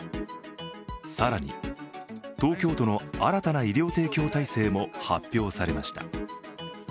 更に、東京都の新たな医療提供体制も発表されました。